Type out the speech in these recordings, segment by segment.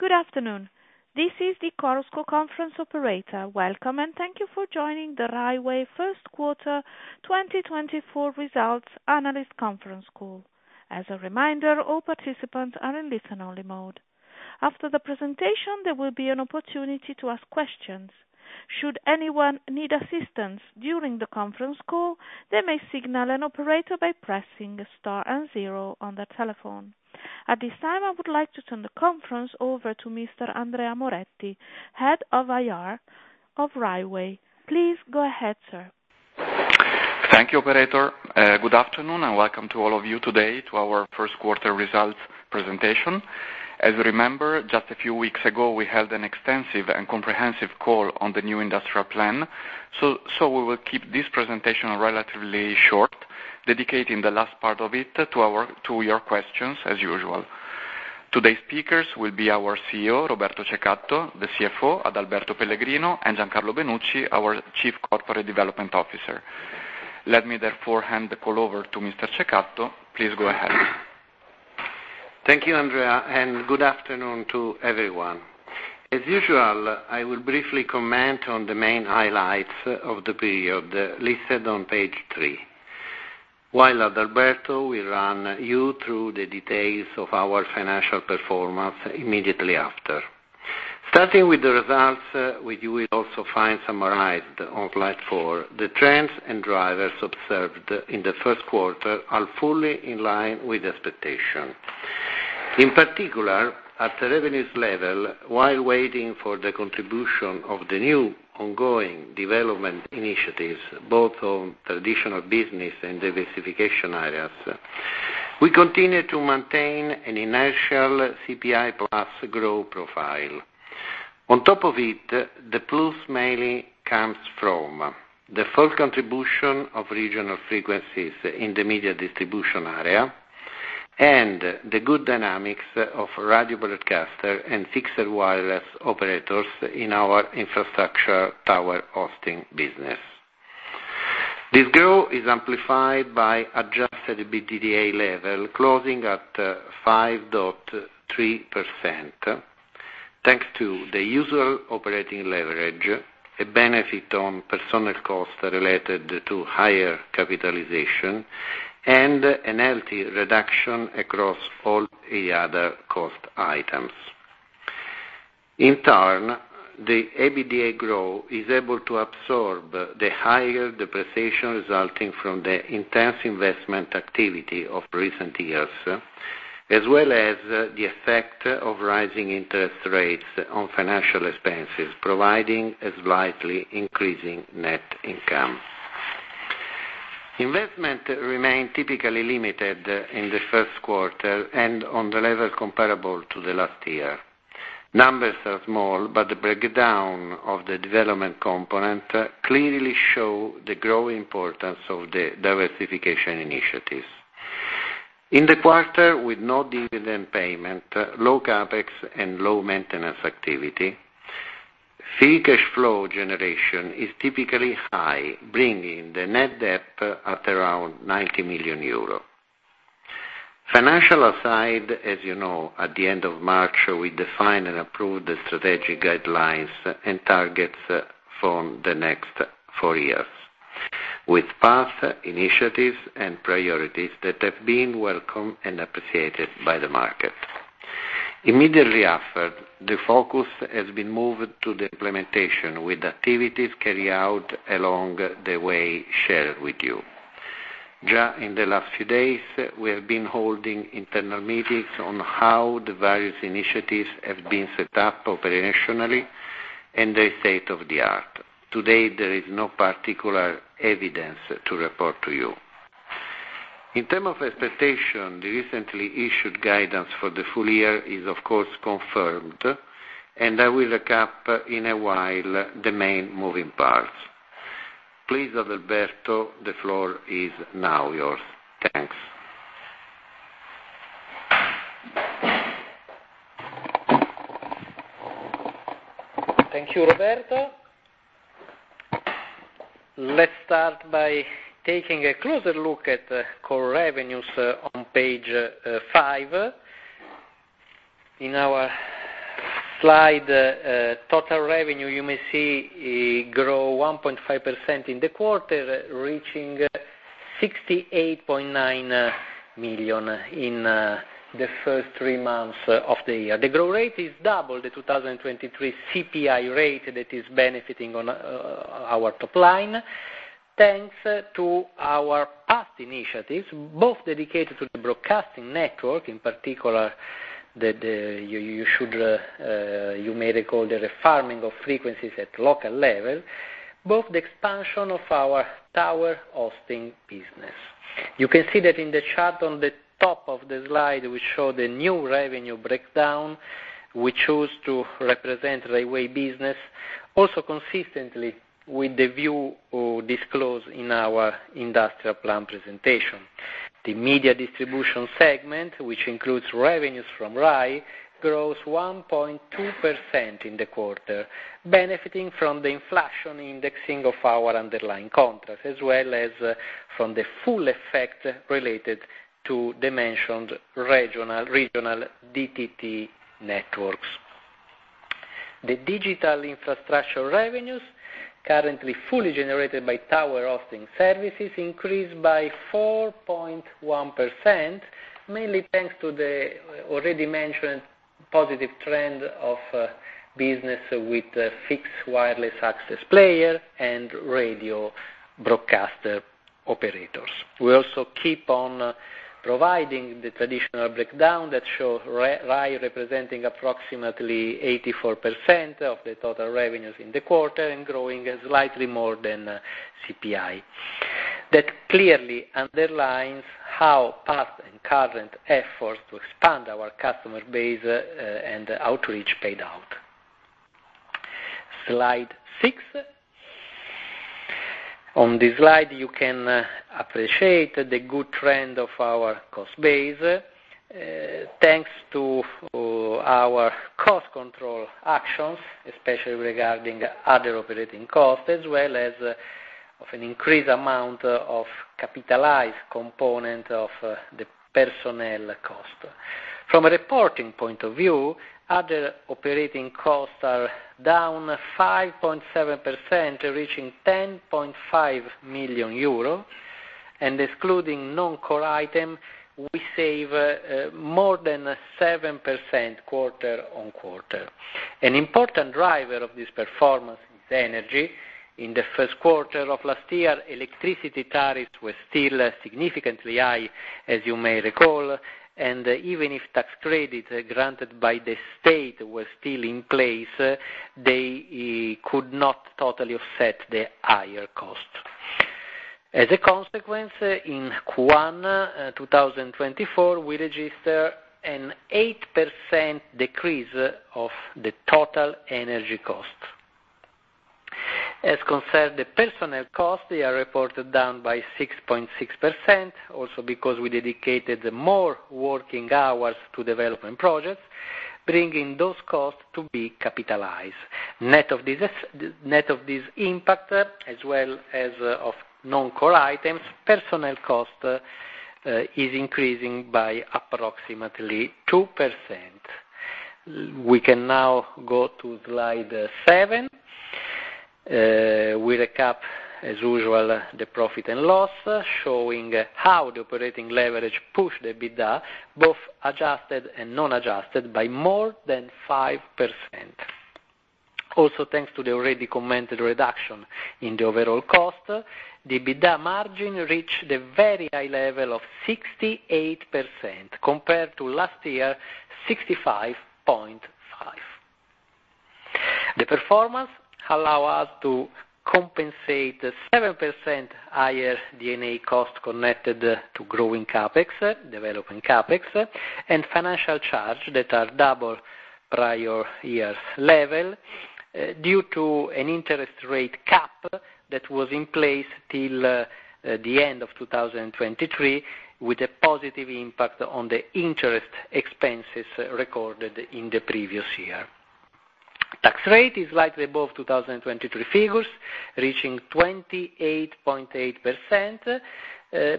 Good afternoon. This is the chorus call conference operator. Welcome, and thank you for joining the Rai Way First Quarter 2024 Results Analyst Conference Call. As a reminder, all participants are in listen-only mode. After the presentation, there will be an opportunity to ask questions. Should anyone need assistance during the conference call, they may signal an operator by pressing star and zero on their telephone. At this time, I would like to turn the conference over to Mr. Andrea Moretti, Head of IR of Rai Way. Please go ahead, sir. Thank you, operator. Good afternoon, and welcome to all of you today to our first quarter results presentation. As you remember, just a few weeks ago, we held an extensive and comprehensive call on the new industrial plan. So we will keep this presentation relatively short, dedicating the last part of it to our, to your questions as usual. Today's speakers will be our CEO, Roberto Cecatto, the CFO, Adalberto Pellegrino, and Giancarlo Benucci, our Chief Corporate Development Officer. Let me therefore hand the call over to Mr. Cecatto. Please go ahead. Thank you, Andrea, and good afternoon to everyone. As usual, I will briefly comment on the main highlights of the period listed on page three, while Adalberto will run you through the details of our financial performance immediately after. Starting with the results, which you will also find summarized on slide four, the trends and drivers observed in the first quarter are fully in line with expectation. In particular, at the revenues level, while waiting for the contribution of the new ongoing development initiatives, both on traditional business and diversification areas, we continue to maintain an inertial CPI plus growth profile. On top of it, the plus mainly comes from the full contribution of regional frequencies in the media distribution area and the good dynamics of radio broadcaster and fixed wireless operators in our infrastructure tower hosting business. This growth is amplified by adjusted EBITDA level, closing at 5.3%, thanks to the usual operating leverage, a benefit on personnel costs related to higher capitalization, and a healthy reduction across all the other cost items. In turn, the EBITDA growth is able to absorb the higher depreciation resulting from the intense investment activity of recent years, as well as the effect of rising interest rates on financial expenses, providing a slightly increasing net income. Investment remained typically limited in the first quarter and on the level comparable to the last year. Numbers are small, but the breakdown of the development component clearly show the growing importance of the diversification initiatives. In the quarter, with no dividend payment, low CapEx, and low maintenance activity, free cash flow generation is typically high, bringing the net debt at around 90 million euro. Financial aside, as you know, at the end of March, we defined and approved the strategic guidelines and targets for the next four years, with path, initiatives, and priorities that have been welcomed and appreciated by the market. Immediately after, the focus has been moved to the implementation, with activities carried out along the way shared with you. Just in the last few days, we have been holding internal meetings on how the various initiatives have been set up operationally and the state of the art. Today, there is no particular evidence to report to you. In terms of expectation, the recently issued guidance for the full year is, of course, confirmed, and I will recap in a while the main moving parts. Please, Adalberto, the floor is now yours. Thanks. Thank you, Roberto. Let's start by taking a closer look at the core revenues on page five. In our slide, total revenue, you may see, it grow 1.5% in the quarter, reaching 68.9 million in the first three months of the year. The growth rate is double the 2023 CPI rate that is benefiting on our top line, thanks to our past initiatives, both dedicated to the broadcasting network, in particular, that you should, you may recall the refarming of frequencies at local level, both the expansion of our tower hosting business. You can see that in the chart on the top of the slide, we show the new revenue breakdown. We choose to represent Rai Way business, also consistently with the view we disclosed in our industrial plan presentation. The media distribution segment, which includes revenues from Rai, grows 1.2% in the quarter, benefiting from the inflation indexing of our underlying contracts, as well as from the full effect related to the mentioned regional DTT networks. The digital infrastructure revenues, currently fully generated by tower hosting services, increased by 4.1%, mainly thanks to the already mentioned positive trend of business with the fixed wireless access player and radio broadcaster operators. We also keep on providing the traditional breakdown that shows Rai representing approximately 84% of the total revenues in the quarter and growing slightly more than CPI. That clearly underlines how past and current efforts to expand our customer base and outreach paid out. Slide six. On this slide, you can appreciate the good trend of our cost base, thanks to our cost control actions, especially regarding other operating costs, as well as of an increased amount of capitalized component of the personnel cost. From a reporting point of view, other operating costs are down 5.7%, reaching 10.5 million euro. Excluding non-core item, we save more than 7% quarter-over-quarter. An important driver of this performance is energy. In the first quarter of last year, electricity tariffs were still significantly high, as you may recall, and even if tax credits granted by the state were still in place, they could not totally offset the higher cost. As a consequence, in Q1 2024, we register an 8% decrease of the total energy cost. As concerned, the personnel costs, they are reported down by 6.6%, also because we dedicated more working hours to development projects, bringing those costs to be capitalized. Net of this, net of this impact, as well as of non-core items, personnel cost is increasing by approximately 2%. We can now go to slide seven. We recap, as usual, the profit and loss, showing how the operating leverage pushed the EBITDA, both adjusted and non-adjusted, by more than 5%. Also, thanks to the already commented reduction in the overall cost, the EBITDA margin reached a very high level of 68%, compared to last year, 65.5%. The performance allow us to compensate the 7% higher EBITDA cost connected to growing CapEx, developing CapEx, and financial charges that are double prior year's level due to an interest rate cap that was in place till the end of 2023, with a positive impact on the interest expenses recorded in the previous year. Tax rate is slightly above 2023 figures, reaching 28.8%,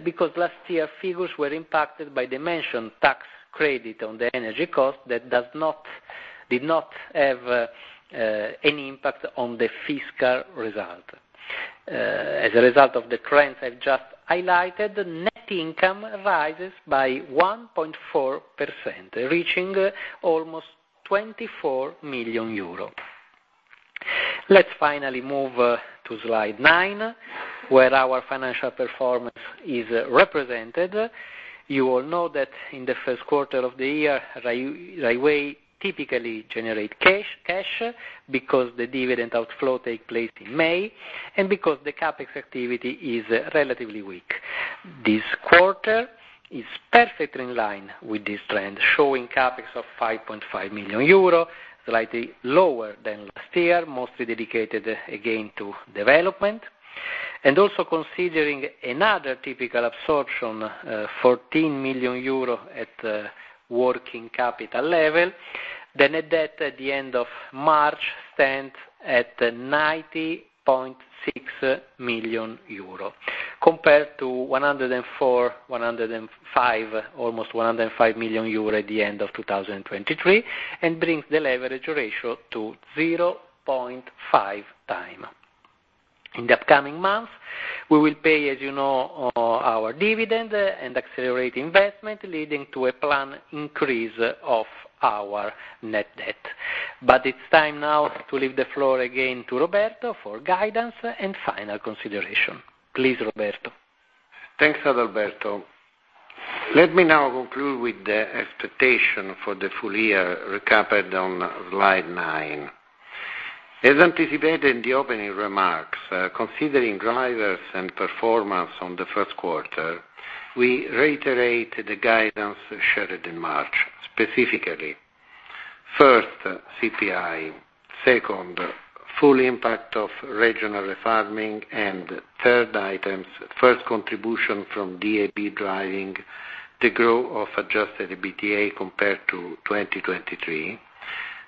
because last year figures were impacted by the mentioned tax credit on the energy cost that did not have any impact on the fiscal result. As a result of the trends I've just highlighted, net income rises by 1.4%, reaching almost 24 million euro. Let's finally move to slide nine, where our financial performance is represented. You all know that in the first quarter of the year, Rai Way typically generate cash, because the dividend outflow take place in May and because the CapEx activity is relatively weak. This quarter is perfectly in line with this trend, showing CapEx of 5.5 million euro, slightly lower than last year, mostly dedicated again to development. And also considering another typical absorption, fourteen million EUR at working capital level, the net debt at the end of March stands at 90.6 million euro, compared to 104, 105, almost 105 million euro at the end of 2023, and brings the leverage ratio to 0.5 times. In the upcoming months, we will pay, as you know, our dividend and accelerate investment, leading to a planned increase of our net debt. It's time now to leave the floor again to Roberto for guidance and final consideration. Please, Roberto. Thanks, Adalberto. Let me now conclude with the expectation for the full year recapped on slide nine. As anticipated in the opening remarks, considering drivers and performance on the first quarter, we reiterate the guidance shared in March. Specifically, first, CPI, second, full impact of regional refarming, and third items, first contribution from DAB driving the growth of adjusted EBITDA compared to 2023,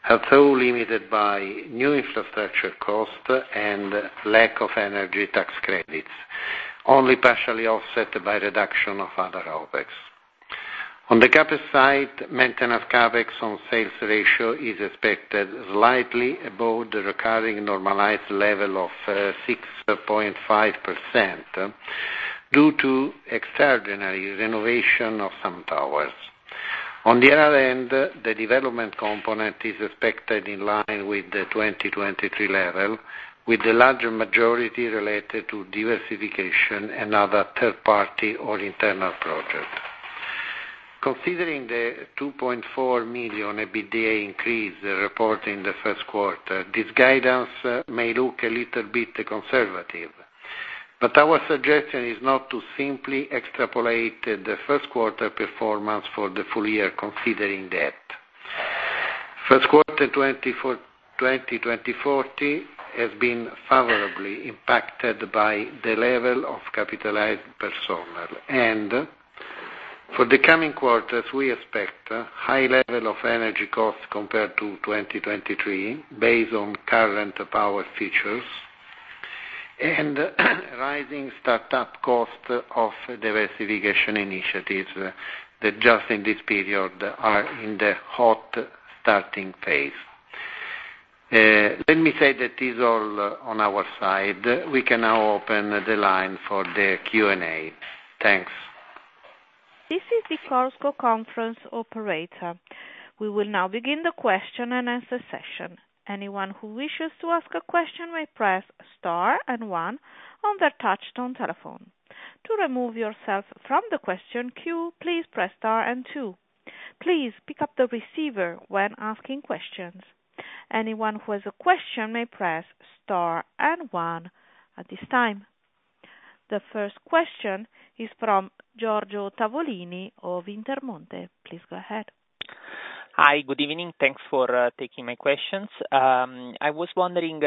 although limited by new infrastructure costs and lack of energy tax credits, only partially offset by reduction of other OpEx. On the CapEx side, maintenance CapEx on sales ratio is expected slightly above the recurring normalized level of 6.5%, due to extraordinary renovation of some towers. On the other hand, the development component is expected in line with the 2023 level, with the larger majority related to diversification and other third party or internal projects. Considering the 2.4 million EBITDA increase reported in the first quarter, this guidance may look a little bit conservative, but our suggestion is not to simply extrapolate the first quarter performance for the full year, considering that. First quarter 2024 has been favorably impacted by the level of capitalized personnel, and for the coming quarters, we expect high level of energy costs compared to 2023, based on current power features, and rising startup costs of diversification initiatives that just in this period are in the hot starting phase. Let me say that is all on our side. We can now open the line for the Q&A. Thanks. This is the chorus call conference operator. We will now begin the question and answer session. Anyone who wishes to ask a question may press star and one on their touchtone telephone. To remove yourself from the question queue, please press star and two. Please pick up the receiver when asking questions. Anyone who has a question may press star and one at this time. The first question is from Giorgio Tavolini of Intermonte. Please go ahead. Hi, good evening. Thanks for taking my questions. I was wondering,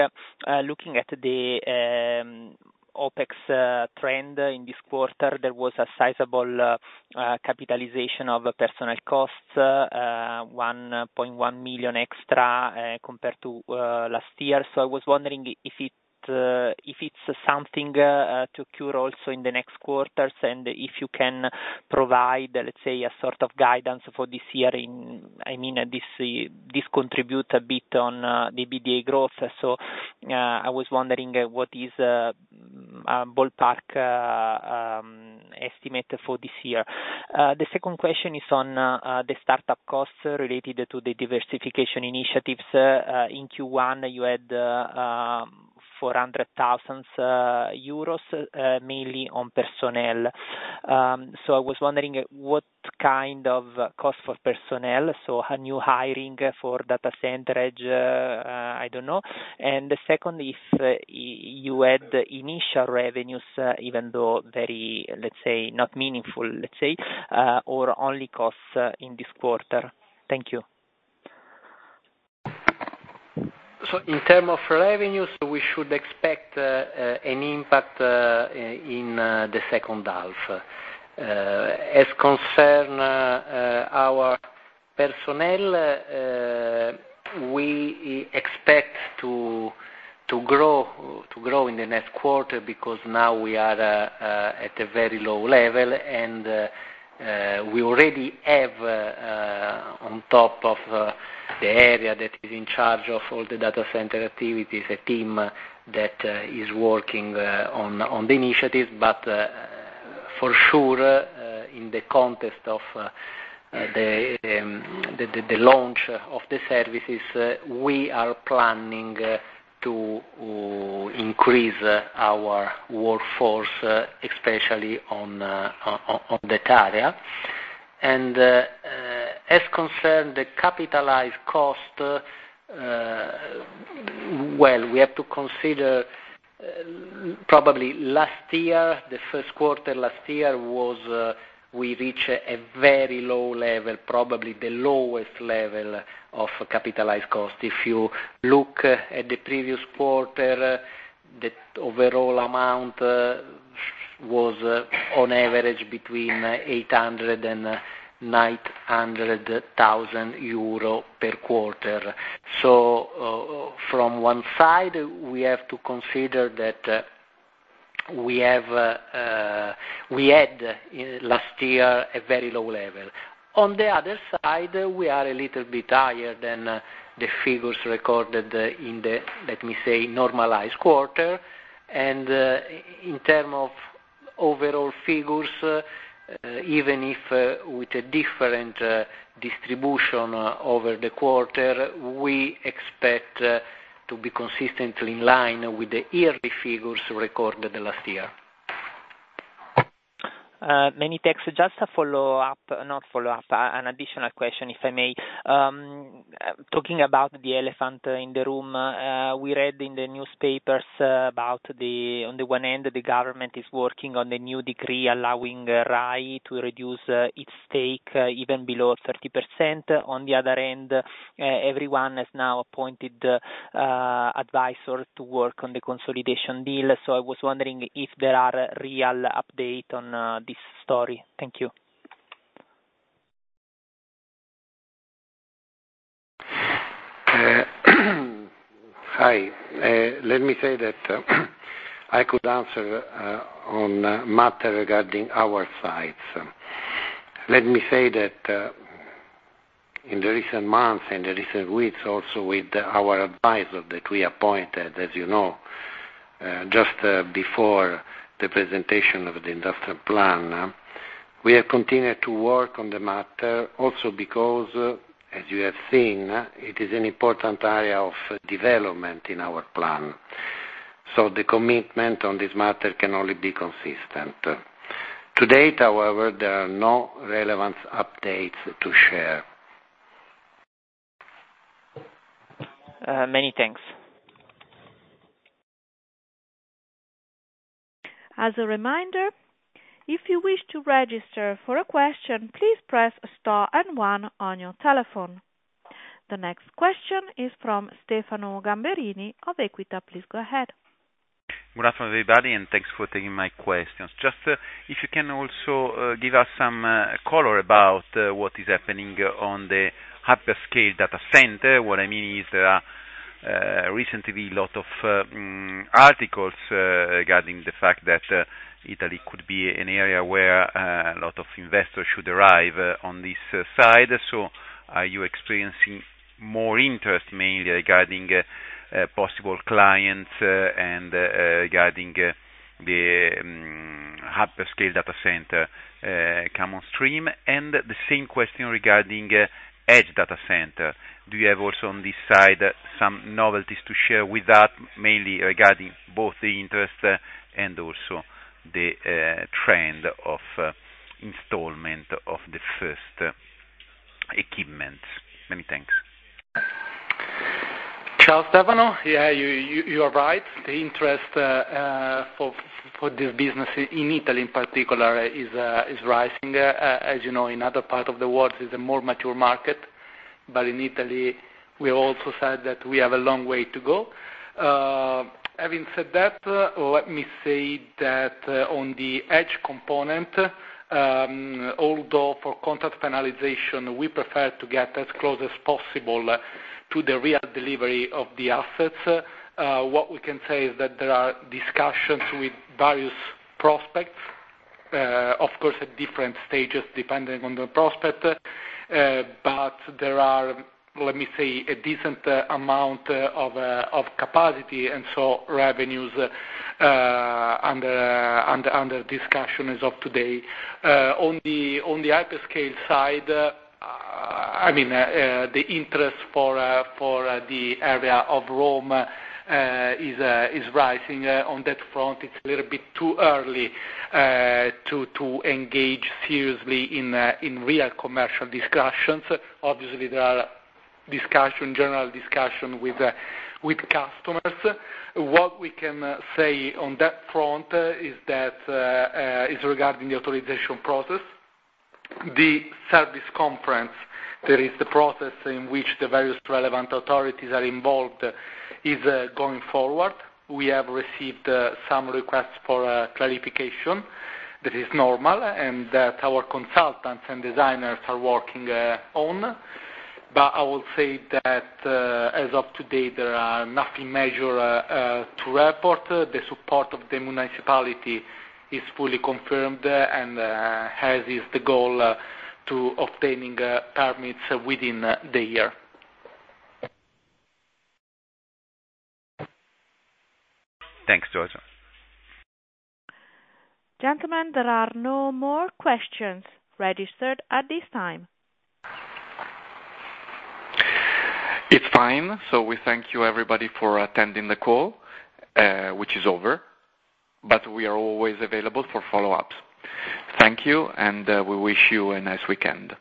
looking at the OpEx trend in this quarter, there was a sizable capitalization of personal costs, 1.1 million extra, compared to last year. So I was wondering if it's something to cure also in the next quarters, and if you can provide, let's say, a sort of guidance for this year in, I mean, this contribute a bit on the EBITDA growth. So, I was wondering what is ballpark estimate for this year? The second question is on the startup costs related to the diversification initiatives. In Q1, you had 400,000 euros mainly on personnel. So, I was wondering what kind of cost for personnel, so a new hiring for edge data center, I don't know. And secondly, if you had initial revenues, even though very, let's say, not meaningful, let's say, or only costs in this quarter. Thank you. So in terms of revenues, we should expect an impact in the second half. As concerns our personnel, we expect to grow in the next quarter because now we are at a very low level, and we already have on top of the area that is in charge of all the data center activities, a team that is working on the initiatives. But for sure, in the context of the launch of the services, we are planning to increase our workforce, especially on that area. And as concerns the capitalized cost, well, we have to consider, probably last year, the first quarter last year was, we reached a very low level, probably the lowest level of capitalized cost. If you look at the previous quarter, the overall amount was on average between 800 and 900 thousand EUR per quarter. So, from one side, we have to consider that we had last year a very low level. On the other side, we are a little bit higher than the figures recorded in the, let me say, normalized quarter. And in terms of overall figures, even if with a different distribution over the quarter, we expect to be consistently in line with the yearly figures recorded last year. Many thanks. Just a follow-up, not follow-up, an additional question, if I may. Talking about the elephant in the room, we read in the newspapers about the, on the one hand, the government is working on the new decree, allowing RAI to reduce its stake even below 30%. On the other hand, everyone has now appointed advisor to work on the consolidation deal. So I was wondering if there are real update on this story. Thank you. Hi, let me say that I could answer on matter regarding our sites. Let me say that, in the recent months, in the recent weeks, also, with our advisor that we appointed, as you know, just before the presentation of the industrial plan, we have continued to work on the matter also, because, as you have seen, it is an important area of development in our plan. So the commitment on this matter can only be consistent. To date, however, there are no relevant updates to share. Many thanks. As a reminder, if you wish to register for a question, please press star and one on your telephone. The next question is from Stefano Gamberini of Equita. Please go ahead. Good afternoon, everybody, and thanks for taking my questions. Just, if you can also, give us some, color about, what is happening on the hyperscale data center. What I mean is, there are, recently lot of, articles, regarding the fact that, Italy could be an area where, a lot of investors should arrive, on this, side. So are you experiencing more interest, mainly regarding, possible clients, and, regarding, the, hyperscale data center, come on stream? And the same question regarding, edge data center. Do you have also, on this side, some novelties to share with that, mainly regarding both the interest, and also the, trend of, installment of the first, equipment? Many thanks. Ciao, Stefano. Yeah, you are right. The interest for this business in Italy in particular is rising. As you know, in other parts of the world is a more mature market, but in Italy, we also said that we have a long way to go. Having said that, let me say that on the edge component, although for contract finalization, we prefer to get as close as possible to the real delivery of the assets, what we can say is that there are discussions with various prospects, of course, at different stages, depending on the prospect, but there are, let me say, a decent amount of capacity, and so revenues under discussion as of today. On the hyperscale side, I mean, the interest for the area of Rome is rising. On that front, it's a little bit too early to engage seriously in real commercial discussions. Obviously, there are discussions, general discussions with customers. What we can say on that front is that regarding the authorization process. The service concession, there is the process in which the various relevant authorities are involved, is going forward. We have received some requests for clarification. That is normal, and that our consultants and designers are working on. But I will say that, as of today, there is nothing material to report. The support of the municipality is fully confirmed, and as is the goal to obtaining permits within the year. Thanks, Giorgio. Gentlemen, there are no more questions registered at this time. It's fine. So we thank you, everybody, for attending the call, which is over, but we are always available for follow-up. Thank you, and we wish you a nice weekend.